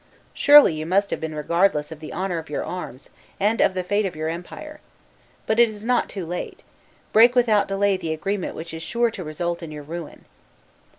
Surely you must have been regardless of the honor of your arms, and of the fate of your empire! But it is not too late. Break without delay the agreement which is sure to result in your ruin."